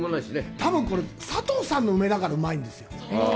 多分、これ、佐藤さんの梅だから、うまいんですよ。